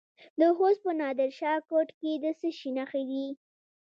د خوست په نادر شاه کوټ کې د څه شي نښې دي؟